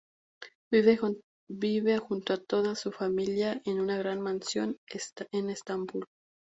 Vive junto a toda su familia en una gran mansión en Estambul.